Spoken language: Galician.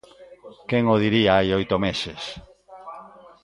Quen o diría hai oito meses!